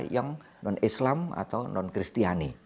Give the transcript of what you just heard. yang non islam atau non kristiani